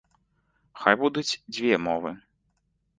Хай будуць дзве мовы.